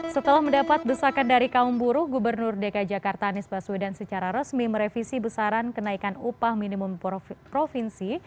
setelah mendapat desakan dari kaum buruh gubernur dki jakarta anies baswedan secara resmi merevisi besaran kenaikan upah minimum provinsi